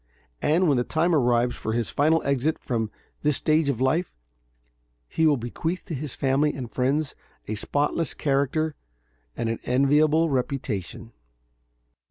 And when the time arrives for his final exit from this stage of life, he will bequeath to his family and friends a spotless character and an enviable reputation.